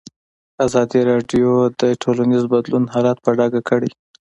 ازادي راډیو د ټولنیز بدلون حالت په ډاګه کړی.